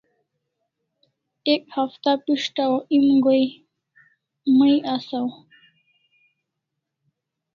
Ek hafta pis'taw o em goi mai asaw